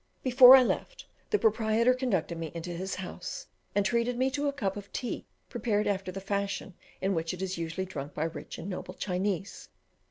Before I left, the proprietor conducted me into his house, and treated me to a cup of tea prepared after the fashion in which it is usually drunk by rich and noble Chinese.